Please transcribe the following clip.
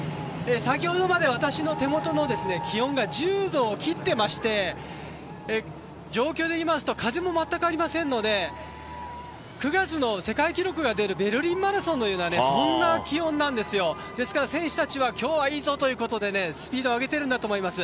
先ほどまで私の手元の気温が１０度を切ってまして状況でいいますと風も全くありませんので９月の世界記録が出るベルリンマラソンのようなそんな気温なんですよ、ですから選手たちは今日はいいぞということでスピードを上げてるんだと思います。